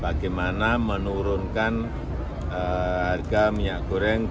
bagaimana menurunkan harga minyak goreng